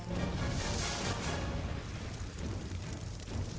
karena memang bahkan kuatenya